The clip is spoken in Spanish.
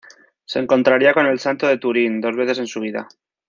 Se encontraría con el santo de Turín dos veces en su vida.